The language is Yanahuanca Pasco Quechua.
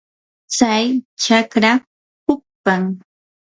tsay chakra hukpam.